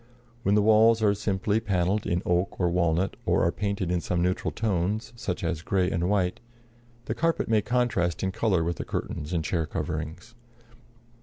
When the walls are simply panelled in oak or walnut, or are painted in some neutral tones, such as gray and white, the carpet may contrast in color with the curtains and chair coverings.